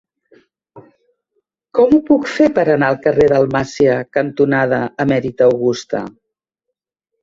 Com ho puc fer per anar al carrer Dalmàcia cantonada Emèrita Augusta?